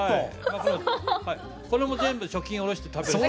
これも全部貯金下ろして食べる。